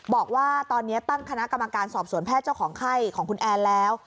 บอกว่าตอนนี้ตั้งคณะกรรมการสอบสวนแพทย์เจ้าของไข้ของคุณแอนแล้ว